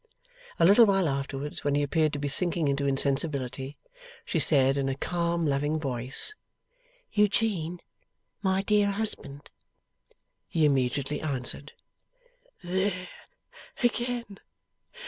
A little while afterwards, when he appeared to be sinking into insensibility, she said, in a calm loving voice: 'Eugene, my dear husband!' He immediately answered: 'There again!